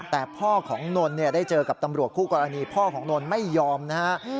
แต่พ่อของนนท์เนี่ยได้เจอกับตำรวจคู่กรณีพ่อของนนท์ไม่ยอมนะฮะ